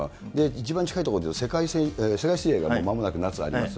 一番近いところでは、世界水泳がまもなく夏にあります。